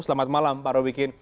selamat malam pak robikin